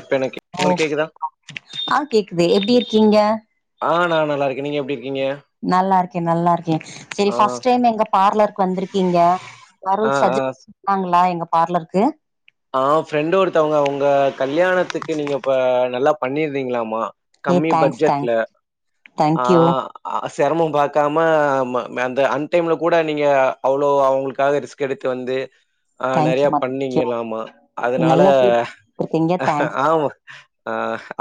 இப்ப எனக்கு ஓ உங்களுக்கு கேக்குதா ஆ கேக்குது எப்டி இருக்கீங்க ஆ நா நல்லா இருக்கே நீங்க எப்டி இருக்கீங்க நல்லா இருக்கே நல்லா இருக்கே செரி ஆ ஃபஸ்ட் டைம் எங்க பார்லருக்கு வந்திருக்கீங்க ஆ ஆ நாங்களா எங்க பார்லருக்கு ஆ ஃப்ரெண்டு ஒருத்தவுங்க அவுங்க கல்யாணத்துக்கு நீங்க இப்ப நல்லா பண்ணிருந்தீங்களாமா ஏ கம்மி தேங்க்ஸ் பட்ஜெட்ல தேங்க்ஸ் ஆ தேங்க்யூ ஆ செரமம் பாக்காம அந்த அன் டைம்ல கூட நீங்க அவ்ளோ அவுங்களுக்காக ரிஸ்க் கெடுத்து வந்து ஆ நெறைய தேங்க்யூமா தேங்க்யூ பண்ணீங்கலாமா அதனால நல்ல ஃபீட்பேக் குடுத்துருக்கீங்க தேங்க்ஸ் ஆமா ஆ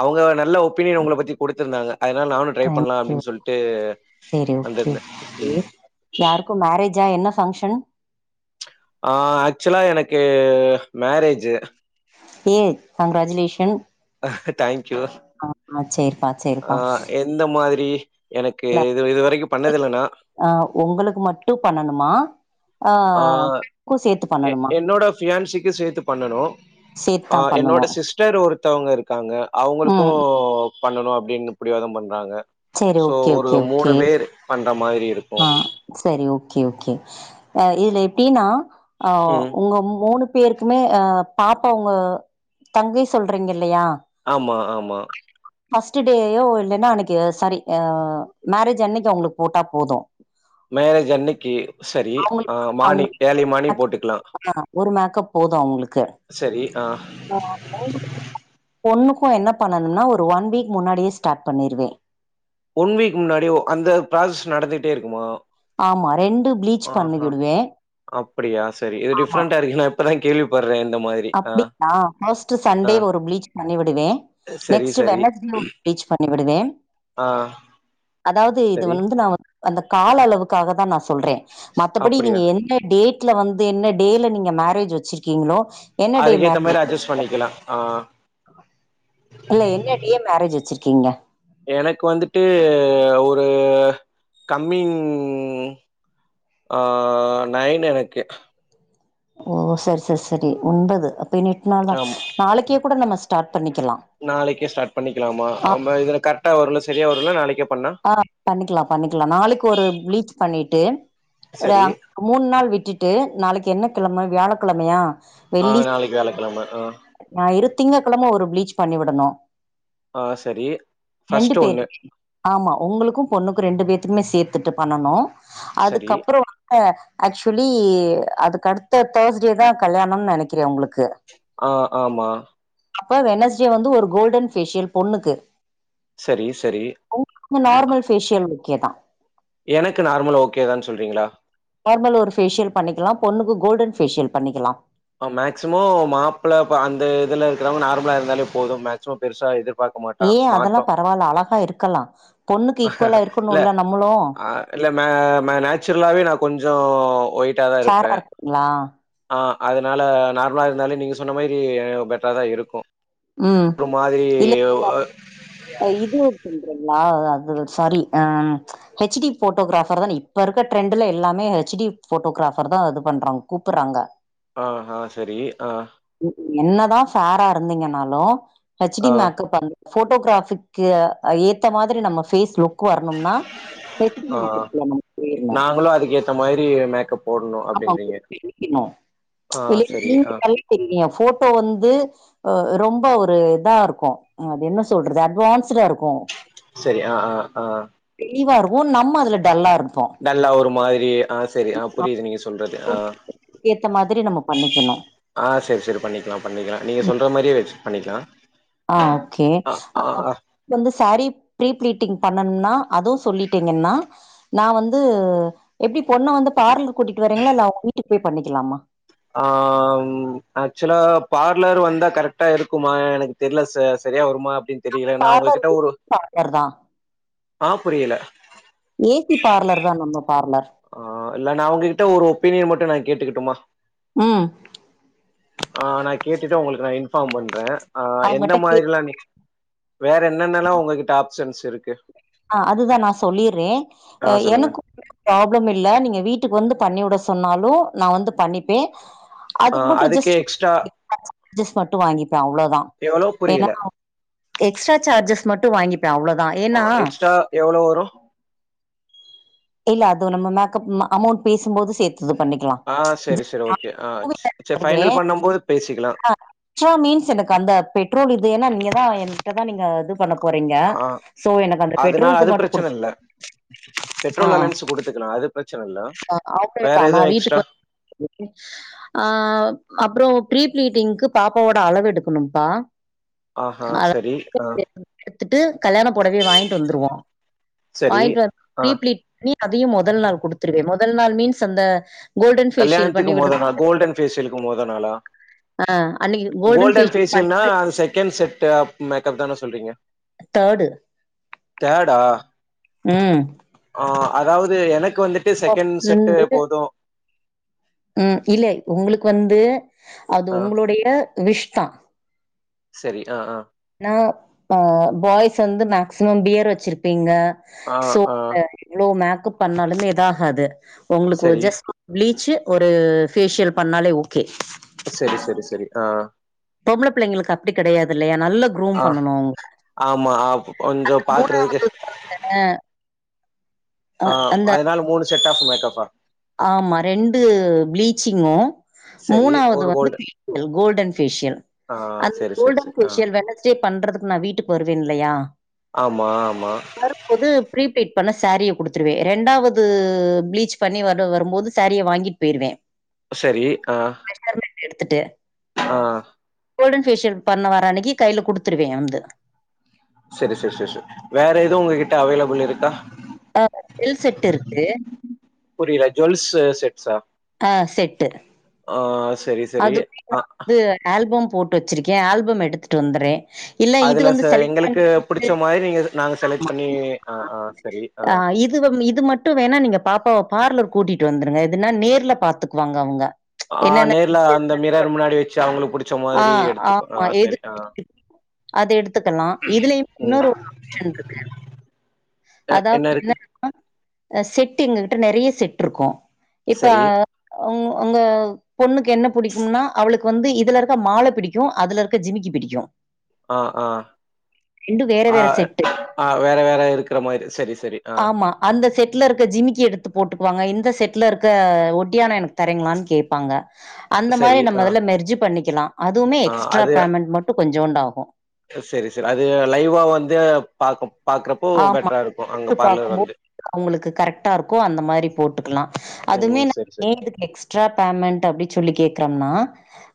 அவுங்க நல்ல ஒப்பீனியன் உங்கள பத்தி கொடுத்திருந்தாங்க அதனால நானு ட்ரை பண்லா தேங்க்யூ அப்டின் சொல்ட்டு செரி வந்துருந்த இப்போ மேரேஜா என்ன ஃபங்க்ஷன் ஆ ஆக்சுவலா எனக்கு மேரேஜு ஏய் கங்கிராஜிலேஷன் தேங்க்யூ ஆ ஆ சேரிப்பா சேரிப்பா இந்த மாதிரி எனக்கு இது இது வரைக்கும் பண்ணது இல்ல நா அ உங்களுக்கு மட்டு பண்ணணுமா அ [inaudible] சேத்து பண்ணணுமா ஃபியான்சிக்கு சேத்து பண்ணனு அ சேத்தா பண்ணனு என்னோட சிஸ்டர் ஒருத்தவுங்க இருக் க்காங்க அவுங்களுக்கூ ம் பண்ணணு அப்டின்னு புடிவாதம் பண்றாங்க சரி சோ ஓகே ஒரு ஓகே மூணு ஓகே பேர் பண்ற மாதிரி இருக் ஆ செரி ஓகே ஓகே அ இதுல எப்டின்னா ஆ ம். உங்க மூணு பேருக்குமே அ பாப்பா உங்க தங்கை சொல்றீங்க இல்லையா ஆமா ஆமா ஃபர்ஸ்ட் டேயோ இல்லைன்னா அன்னைக்கு சாரி அ மேரேஜ் அன்னைக்கி அவுங்களுக்கு போட்டா போது மேரேஜ் அன்னைக்கி சரி அவங்களுக்கு ஆ மட்டும் மானிங் அவங்களுக்கு ஏர்லி மானிங் மேக்கப் போட்டுக்லா ஆ ஒரு மேக்கப் போது அவுங்களுக்கு சரி. ஆ பொண்ணுக்கூ என்ன பண்ணனும்னா ஒரு ஒன் வீக் முன்னாடியே ஸ்டார்ட் பண்ணிருவே ஒன் வீக் முன்னாடி ஓ அந்த ப்ராசஸ் நடந்துக்ட்டே இருக்குமா ஆமா ரெண்டு ப்ளீச் பண்ணி ஆஹா விடுவே அப்டியா சரி இது டிஃப்ரெண்டா இருக்கு நா இப்பதா கேள்விப்படுற இந்த மாதிரி ஆ, அப்டீங்களா மோஸ்ட் ஆ. சண்டே ஒரு பிளீச் பண்ணி விடுவே சரி, நெக்ஸ்ட் சரி. வெனஸ்டே ஒரு ப்ளீச் பண்ணி விடுவே ஆ அதாவ்து இது சரி வந்து நா அந்த கால அளவுக்காக தா நா சொல்றே மத்தபடி அப்படியா நீங்க எந்த டேட் ட்ல வந்து என்ன டேல நீங்க மேரேஜ் வச்சிருக்கீங்களோ என்ன அதுக்கேத்த மாரி அட்ஜஸ்ட் பண்ணிக்லாம் ஆ ஆ இல்ல என்ன டியம் மேரேஜ் வச்சிர்க்கீங்க எனக்கு வந்துட்டு ஒரு கம்மிங் ஆ நைன் எனக்கு ஓ சரி சரி சரி ஒம்பது அப்ப இன்னு எட் நாள் தா ஆமா நாளைக்கே கூட நம்ம ஸ்டார்ட் பண்ணிக்கலா நாளைக்குே ஸ்டார்ட் பண்ணிக்கலாமா ஆ இதுல கரெக்டா வருல செரியா வருல நாளைக்கே பண்ணா ஆ பண்ணிக்லா பண்ணிக்லா நாளைக்கு ஒரு பிளீச் பண்ணிட்டு சரி மூணு நாள் விட்டுட்டு நாளைக்கு என்ன கிழம வியாழக்கெழமையா ஆ நாளைக்கு வியாழகெழம அ ஞாயிறு திங்க கெழம ஒரு பிளீச் பண்ணி விடனு ஆ சரி ரெண்டு ஃபர்ஸ்ட் ஒண்ணு பேருக்குமே ஆமா ஒங்ளுக்கு பொண்ணுக்கு ரெண்டு பேத்துக்குமே சேத்துட்டு பண்ணனு சரி அதுக்கப்றோ அ ஆக்சுவலி அதுக்கு அடுத்த தேர்ஸ்டே தா கல்யாண நெனைக்கிறே‌ ஒங்களுக்கு ஆ ஆமா அப்ப வென்னெஸ்டே வந்து ஒரு கோல்டன் ஃபேஷியல் பொண்ணுக்கு சரி சரி ஒங்ளுக்கு நார்மல் ஃபேஷியல் ஓகே தா எனக்கு நார்மல் ஓகே தான் சொல்றீங்ளா நார்மல் ஒரு ஃபேசியல் பண்ணிக்லா பொண்ணுக்கு கோல்டன் ஃபேஷியல் பண்ணிக்கலா அ மேக்சிம மாப்பிள அந்த இதுல இருக்குறவங்க நார்மலா இருந்தாலே போது மேக்சிமம் பெருசா எதிர் ஏ அதெல்லா பரவால அழகா இருக்கலா பொண்ணுக்கு ஈக்குவலா இல்ல இருக்குணுல நம்முளு ஆ இல்ல மே மே நேச்சுரலாவே நா கொஞ்சோ ஒயிட்டா தா ஃபேரா இருப்பே இருக்குங்களா ஆ அதனால நார்மலா இருந்தாலே நீங்க சொன்ன மாரி பெட்ரா தா இருக்கு ம் ஒரு மாதிரி இல்ல இது ஒரு துன்றோங்ளா அது சாரி ஆ ஹெச் டி போட்டோகிராபர் தானே இப்ப இருக்க ட்ரெண்டுல எல்லாமே ஹெச் டி போட்டோகிராபர் தா இது பண்றாங் கூப்பறாங்க ஆஹா செரி அ என்னதா ஃபேரா இருந்தீங்கன்னாலு ஹெச் டி ஆ மேக்கப் வந்து போட்டோகிராப் க்கு ஏத்த மாதிரி நம்ம பேஸ் லுக் க்கு வரணும்னா ஆ ஸ்பெசிபிக் மேக்கப் போட்னு சொல்லிர்ங்க நாங்களும் அதுக்கேத்த மாரி மேக்கப் போடணும் ஆமா அப்டின்றீங்க. சி குளிச்டிங்ளா ஆ செரி கை தெரிறிங்க ஃபோட்டோ வந்து ரொம்ப ஒரு இதா இருக்கு அது என்ன சொல்றது அ வான்ஸ்டா இருக்கு செரி ஆ ஆ ஆ ங்கா இருக்கு நம்ம அது டல்லா இருப் நல்லா ஒரு மாதிரி ஆ செரி ஆ புரிதுங்க நீங்க சொல்றது. ஆ ஓகே ஏத்த மாதிரி நம்ம பண்ணிக்கணு ஆ செரி செரி பண்ணிக்கலா பண்ணிக்கலா நீங்க ம். சொல்ற மாரியே வெச்சி பண்ணிக்லா ஆ ஓகே வந்து சாரீ ப்ரீ பிளீட்டிங் பண்ணனுனா அது சொல்லிட்டீங்னா நா வந்து எப்டி பொண்ண வந்து பார்லர்க் கூட்டிட்டு வரீங்களா இல்ல வீட்டுக்கு போய் பண்ணிக்கலாமா ஆ ம் ஆக்சுலா பார்லர் வந்தா கரெக்டா இருக்குமா எனக் தெர்ல சார் செரியா வருமா அப்டின் தெரில நா பார்லர் ஒங்ககிட்ட ஒரு பார்லர் தான். ஆ புரில ஏ சி பார்லர் தா நம்ம பார்லர். ஆ இல்ல நா அவுங்ககிட்ட ஒரு ஒப்பீனியன் மட்டு நா கேட்டுக்கிட்டுமா ம் ஆ நா கேட்டுட்டு உங்களுக்கு நா இன்ஃபாம் பண்றே ஆ எந்த அவங்கட்ட கே மாதிரிலா நீங் வேற என்னென்னல்லா உங்ககிட்ட ஆப்ஷன்ஸ் இருக்கு ஆ அதுதா நா சொல்லீர்றே ஆ அ சொல்லுங்க. எனக்கு ப்ராப்ளம் இல்ல நீங்க வீட்டுக்கு வந்து பண்ணிவுட சொன்னாலு நா வந்து பண்ணிப்பே ஆ அதுக்கு மட்டு ஜஸ்ட் எக்ஸ்ட்ரா [inaudible] ஜஸ் மட்டு வாங்கிப்பே அவ்ளோதா எவ்ளோ? ஏனா புரியல. எக்ஸ்ட்ரா சார்ஜஸ் மட்டும் வாங்கிப்பே அவ்ளோதா ஓ எக்ஸ்ட்ரா எவளோ வரு இல்ல அது நம்ம மேக்கப் ம்மா அமௌண்ட் பேசும்போது சேத்து இது பண்ணி ஆ செரி செரி ஓகே ஆ ச் செர் ஃபைனல் பண்ணம்போது பேசிக்கலா ஸ்ட்ரா மீன்ஸ் எனக்கு அந்த பெட்ரோல் இது ஏனா நீங்க தா என்கிட்ட தா நீங்க இது பண்ண போறீங்க ஆ சோ எனக்கு அந்த அதுனா பெட்ரோல் இது அது மட்டு பிரச்சன குடுத் இல்ல. ஆ பெட்ரோல் அலைன்ஸு குடுத்துக்கலா அது பிரச்சன இல்ல வேற எது எக்ஸ்ட்ரா நல்லார்க்கே அ அப்பறோ ஃப்ரீ ப்ளீட்டிங்க்கு பாப்பாவோட அளவெடுக்கணும்ப்பா ஆஹா அதுல சரி ஆ [inaudible] எட்த்துட்டு கல்யாண பொடவைய வாய்ங்ட்டு வந்துருவோ சரி வாய்ங்ட்டு வந்து ஆ ஃப்ரீ ப்ளீட்டிங் பண்ணி அதையு மொதல் நாள் குடுத்துருவே மொதல் நாள் மீன்ஸ் அந்த கோல்டன் ஃபேஷியல் கல்யாண்த்துக்கு பண்ணி மொத விடுறது நாள் கோல்டன் ஃபேசியலுக்கு மொத நாளா அன்னைக்கு கோல்டன் ஃபேஷியல் பண் ஃபேசியல்னா அது செகண்ட் செட்டு அப் மேக்கப் தான சொல்றீங்க தேடு தேடா ம் ஆ அதாவ்து எனக் வந்துட்டு செகண்ட் செட்டு போது ம் இல்ல உங்களுக் வந்து அது ஆ உங்களுடைய விஷ் தா செரி ஆ ஆ ஏனா ஆ பாய்ஸ் வந்து மேக்சிமம் பியர் வெச்சிருப்பீங்க ஆ சோ ஆ [inaudible] எவ்ளோ மேக்கப் பண்ணாலுமே இதாகாது உங்களுக்கு ஒரு சரி ஜஸ் [inaudible] ப்ளீச்சு ஒரு ஃபேஷியல் பண்ணாலே ஓகே செரி செரி செரி ஆ பொம்பள பிள்ளைங்களுக்கு அப்டி கெடையாது இல்லையா நல்லா குரோம் ஆ பண்ணனு ஆ ஆமா கொஞ்ச பாக்கறதுக்கு அ ஆ ஆ அதுனால மூணு செட் ஆஃப் மேக்கப்பா ஆமா ரெண்டு ப்ளீச்சிங்கு சரி மூணாவ்து ஒரு வந்து கோல்டு ஃபேஷியல் கோல்டன் ஃபேஷியல் ஆ அந்த சரி சரி கோல்டன் சரி ஆ ஃபேஷியல் வென்னஸ்டே பண்றதுக்கு நா வீட்டுக் வருவே இல்லயா ஆமா ஆமா வரும்போது ப்ரீ ப்ளீட் பண்ண சாரீய குடுத்துருவே ரெண்டாவது ப்ளீச் பண்ணி உட வரும்போது சாரீய வாங்கிட் போய்ருவே செரி ஆ மெசர்மென்ட் எடுத்துட்டு ஆ கோல்டன் ஃபேஷியல் பண்ண வர அன்னைக்கி கைல குடுத்துருவே வந்து செரி செரி செரி செர் வேற எது உங்ககிட்ட அவைலபிள் இருக்கா ஆ ஜுவல் செட் இருக்கு புரியல ஜுவல்ஸ்சு செட்சா ஆ செட்டு ஆ செரி அது நா வந்து ஆல்பம் போட்டு வச்சிருக்கே ஆல்பம் எடுத்துட்டு வந்துற்றே இல்ல இது அதுல வந்து ச- செலக்ட் எங்களுக்கு பண்ற பிடிச்ச மாதிரி நீங்க நாங்க [inaudible] செலக்ட் ஆமா பண்ணி ஆ, ஆ, சரி ஆ இது இது இது மட்டு வேணா நீங்க பாப்பாவ பார்லர் கூட்டிட்டு வந்துருங்க எதுன்னா நேர்ல பாத்துக்குவாங்க அவங்க ஆ என்னென்ன நேர்ல அந்த மிரர் முன்னாடி வெச்சு அவுங்களுக்கு புடிச்ச ஆ மாரி எடுத்துக்க ஆ செரி ஆ அது எடுத்துக்கலா இதுலயுமே ம். இன்னொரு ஒரு ஆப்ஷன் இருக்கு ஆ என்ன அதாவது இருக்கு செட் எங்ககிட்ட நெறைய செட் இருக்கு இப்ப சரி அவுங்க உங்க பொண்ணுக்கு என்ன பிடிக்கும்னா அவளுக்கு வந்து இதுல இது இருக்க மால பிடிக்கு அதுல இருக்க ஜிமிக்கி பிடிக்கு ஆ ஆ ரெண்டு வேற ஆ, வேற செட்டு ஆ வேற வேற இருக்கிற மாரி செரி செரி ஆமா அந்த செட்ல இருக்க ஜிமிக்கி எடுத்து போட்டுக்குவாங்க இந்த செட்ல இருக்க ஒட்டியான எனக்கு தரங்கிளான்னு கேட்ப்பாங்க அந்த சரி மாரி நம்ம ஆ அதில் மெர்ஜ் பண்ணிக்கலா அதுவுமே ஆ, எக்ஸ்ட்ரா பேமெண்ட் மட்டு கொஞ்சூண்டு ஆகு செரி செரி அது லைவா வந்து பா பாக்குறப்போ பெட்டரா இருக்கு அங்க பார்லர் வந்து அவுங்களுக்கு கரெக்டா இருக்கு அந்த மாரி போட்டுக்கலா அதுமே ம் நா சரி ஏ சரி எக்ஸ்ட்ரா பேமண்ட் அப்டி சொல்லி கேக்றோம்னா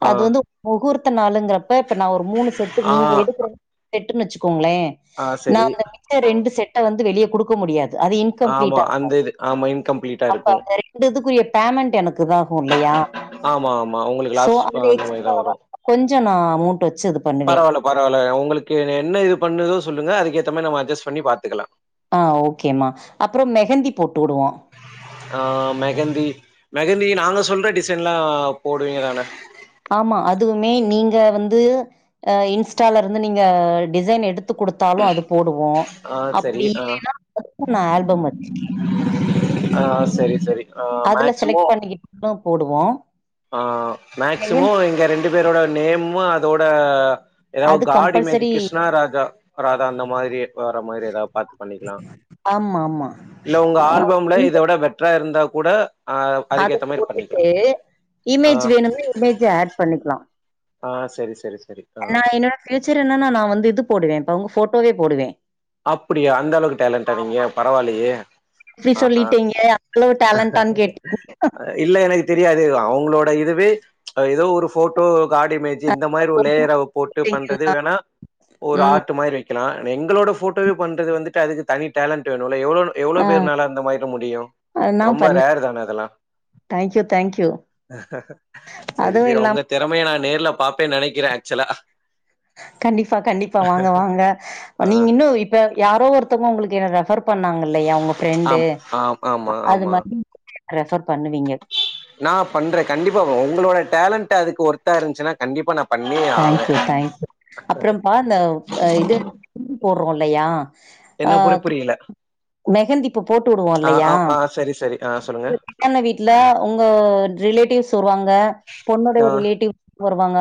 அது ஆ வந்து முகூர்த்த நாளுங்க இப்ப இப்ப நா ஒரு மூணு செட்டு ஆ நீங்க எடுக்குற செட்டுன்னு வச்சுக்கோங்களே ஆ சரி நான் அந்த ரெண்டு செட்ட வந்து வெளிய குடுக்க முடியாது அது ஆமா இன்கம்ப்ளீட்டா இருக்கு அந்த இது ஆமா இன்கம்ப்ளீட்டா அப்ப இருக்கு அங்கருக் அதுக்குரிய பேமெண்ட் எனக்கு இதாகு இல்லையா ஆமா ஆமா உங்களுக்கு சோ லாஸ் அ மாரிதா அந்த [inaudible] கொஞ்சோ நா அமௌண்ட் வச்சு பண்ணுவே பரவால பரவால உங்களுக்கு என்ன இது பண்ணுதோ சொல்லுங்க அதுக்கேத்த மரி நம்ம அட்ஜஸ் பண்ணி பாத்துக்கலா ஆ ஓக்கேமா அப்றோ மெஹந்தி போட்டு விடுவோ ஆ மெஹந்தி மெஹந்தி நாங்க சொல்ற டிசைன்ல்லா போடுவீங்கதான ஆமா அதுவுமே நீங்க வந்து இன்ஸ்டால இருந்து நீங்க டிசைன் எடுத் த்து குடுத்தாலு அது போடுவோ ஆ சரி அப்டி ஆ இல்லைன்னா அதுக்கு நா ஆல்பம் வச்சிருக்கே ஆ சரி சரி ஆ அதுல மேக்சிமோ செலக்ட் பண்ணிக்கிட் [inaudible] போடுவோ ஆ மெஹந்தி மேக்சிமோ எங்க ரெண்டு பேரோட நேம்மு அதோட எதாவது அது காட் இமேஜ் கம்பல்சரி கிருஷ்ணா ராஜா ராதா அந்த மாதிரி வர மாரி எதாவது பாத்து பண்ணிக்கலா ஆமா ஆமா இல்ல உங்க அ ஆல்பம்ல இத விட பெட் பெட்ரா இருந்தா கூட ஆ அத அதுக்கேத்த மாரி பண்ணிக்கலா போட்டுட்டு ஆ இமேஜ் வேணும்னா இமேஜ் ஆட் பண்ணிக்கலா ஆ சரி சரி சரி ஆ நா என்னோட ஃபியூச்சர் என்னன்னா நா வந்து இது போடுவே இப்ப உங்க போட்டோவே போடுவே அப்டியா அந்த அளவுக்கு டேலண்டா நீங்க பரவால்லியே ஆ ஆ அவ்வளோ டேலெண்ட்டானு கேட்டு [inaudible] இல்ல எனக்கு தெரியாது அவங்களோட இதுவே எதோ ஒரு போட்டோ காட்டு இமேஜ் இந்த மாரி ஒரு ஃபோட்டோ லேயர அவ போட்டு பண்றது போட்டீங்கன்னா வேணா ஒரு ம் ஆர்ட்டு மாரி நா எங்களோட போட்டோவே பண்றது வந்துட்டு அதுக்கு தனி டேலண்ட் வேணுல எவ்வளோனு எவ்ளோ ஆ பேருனால அந்த மாரி முடியு நா ரொம்ப பண்ணே ரேர் தான அதெல்லா தேங்க்யூ தேங்க்யூ செரி அதுவு செரி இல்லாம அவுங்க திறமைய நா நேர்ல பாப்பேனு நெனைக்கிறே ஆக்சுவலா கண்டிப்பா கண்டிப்பா வாங்க வாங்க ஆ நீங்க இன்னு இப் இப்ப யாரோ ஒருத்தங்க ப உங்களுக்கு என்ன ரெஃபர் பண்ணாங்க இல்லையா உங்க ஃப்ரெண்டு ஆம் ஆம் ஒ ஆமா அது ஆமா மாரி ரெஃபர் பண்ணுவீங்க நா பண்றே கண்டிப்பா உங்களோட டேலண்ட் அதுக்கு ஒர்த்தா இருந்துச்சுன்னா கண்டிப்பா நா பண்ணியே ஆவே தேங்க்யூ தேங்க்யூ அப்றோன்பா இந்த இது [inaudible] போடுறோ இல்லையா ஆ என்ன போற புரியல மெஹந்தி இப்ப போட்டு வுடுவோம் ஆ இல்லையா ஆ ஆ சரி சரி ஆ சொல்லுங்க [inaudible] கல்யாண வீட்டுல உங்க ரிலேட்டிவ்ஸ் [inaudible] வருவாங்க பொண்ணுடைய ஆ ரிலேட்டிவ் வருவாங்க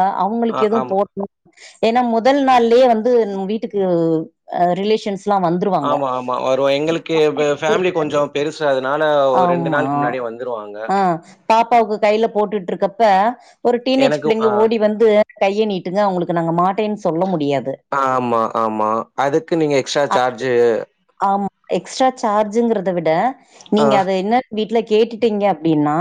ஆ அவங்களுக்கு எதுவு ஆமா போ ஏன்னா முதல் நாள்லயே வந்து நம்ம வீட்டுக்கு அ ரிலேஷன்ஸ்ல்லா வந்து ஆமா ஆமா வருவா எங்களுக்கு ஃபேமிலி கொஞ்சோ பெருசு அதனால ஒரு ரெண்டு ஆமா நாளுக்கு முன்னாடியே வந்துருவாங்க ஆ பாப்பாவுக்கு கையில போட்டுட்டு இருக்கப்ப ஒரு டீனேஜ் எனக்கு பிள்ளைங்க ஆ ஓடி வந்து கைய நீட்டுங்க அவுங்களுக்கு நாங்க மாட்டேன் சொல்ல முடியாது ஆமா ஆமா அதுக்கு நீங்க எக்ஸ்ட்ரா சார்ஜு ஆமா எக்ஸ்ட்ரா சார்ஜுங்கறத விட ஆ நீங்க அத என்ன வீட்ல கேட்டுட்டீங்க அப்டின்னா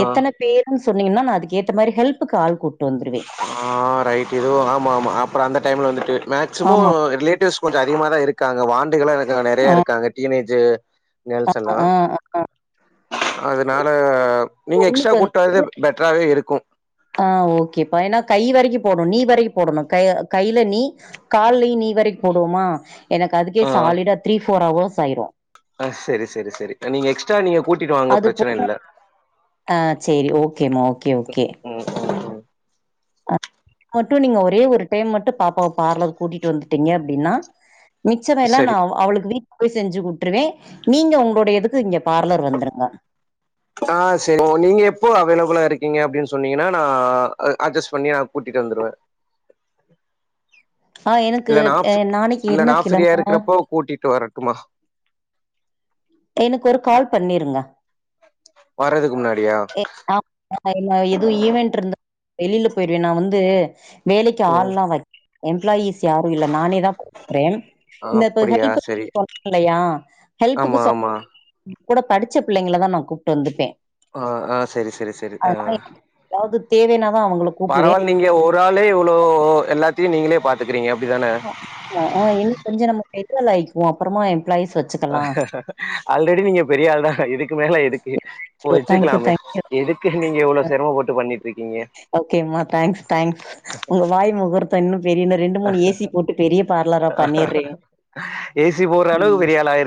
ஆ எத்தன பேருனு சொன்னீங்கன்னா நா அதுக் ஏத்த மாரி ஹெல்ப்க்கு ஆள் கூட்டு வந்துருவே ஆ ரைட் இதுவு ஆமா ஆமா அப்றோ அந்த டைம்ல வந்துட்டு மேக்சிமொ ஆமா. ரிலேட்டிவ்ஸ் கொஞ்சோ அதிகமாதா இருக்காங்க வாண்டுகள் இருக்காங்க நெறைய இருக்காங்க டீனேஜ் கேர்ள்ஸ் எல்லா ஆஹ் ஆ அதனால நீங்க எக்ஸ்ட்ரா பொண்ணுக்கு வந்து கூட்டு வரதே பெட்டராவே இருக்கு ஆ ஓகேப்ப ஏன்னா கை வரைக்கும் போட்ணும் நீ வரைக்கும் போட்ணும் கை கையில நீ கால்லயும் நீ வரைக்கும் போடுவோமா எனக்கு அதுக்கே ஆ சாலிடா த்ரீ ஃபோர் ஹவர்ஸ் ஆயிரும் ஆ செரி செரி செரி நீங்க எக்ஸ்ட்ரா நீங்க கூட்டிடுவாங்க அது பிரச்சன போக இல்ல ஆ சரி ஓகேம்மா. ஓகே, ம் ஓகே. உம் உம் உம் மட்டும் நீங்க ஒரே ஒரு டைம் மட்டும் பாப்பாவ பார்லர் கூட்டிட்டு வந்துட்டீங்க அப்டின்னா மிச்சர எல்லாம் நா சரி அவளுக்கு வீட்ல போய் செஞ்சு கூட்டுருவேன் நீங்க உங்களுடைய எதுக்கு இங்க பார்லர் வந்துருங்க ஆ செரி நீங்க எப்போ அவைலபுளா இருக்கீங்க அப்டின்னு சொன்னீங்கன்னா நா அ அட்ஜஸ்ட் பண்ணி நா கூட்டிட்டு வந்துருவேன் ஆ எனக்கு இல்ல நா அ ஃப் நாளைக்கு என்ன இல்ல ஃபீரியா கிழம இருக்கிறப்போ கூட்டிட்டு வரட்டுமா எனக்கு ஒரு கால் பண்ணிருங்க வர்றதுக்கு முன்னாடியா எ ஆ என்ன எதுவும் ஈவென்ட் இருந்தா வெளியில போயிருவேன் நா வந்து வேலைக்கு ம் ஆள்ல்லாம் வ எம்ப்ளாயீஸ் யாரும் இல்ல நானே தா க்குறேன் இந்த இப்ப அப்டியா ஹெல்ப் சரி சொன்ன இல்லையா ஹெல்ப்புக்கு ஆமா ஆமா சொன் கூட படிச்ச பிள்ளைங்கள தா நா கூப்ட்டு வந்துப்பேன் ஓ ஆ செரி செரி செ அ தே‌ எதாவ்து தேவைனாதான் அவுங்கள பரவால்ல நீங்க ஒரு ஆளே இவ்வளோ எல்லாத்தையும் நீங்களே பாத்துக்கறீங்க அப்டித்தான ஆ ஆ இன்னும் கொஞ்சம் நம்ம [inaudible] ஆய்க்குவோம் அப்புறமா எம்ப்ளாயிஸ் வச் ஆல்ரெடி நீங்க பெரிய ஆள் தான்க்கா இது க்கு மேல எதுக்கு ஷோ தேங்க்யூ வச்சுக்கலாமே தேங்க்யூ எதுக்கு நீங்க இவ்ளோ சிரம பட்டு பண்ணிட்ருக்கீங்க ஓகேம்மா தேங்க்ஸ் தேங்க்ஸ் உங்க வாய் முகூர்த்தம் இன்னும் பெரிய இன்னும் ரெண்டு மூணு ஏ சி போட்டு பெரிய பார்லரா பண்ணிறே ஏ சி போட்ற அளவு‌ பெரிய ஆள் ஆயிருக்